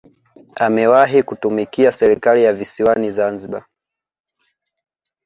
Amewahi kutumikia serikali ya visiwani Zanzibar